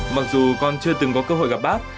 mặc dù con chưa từng có cơ hội gặp bác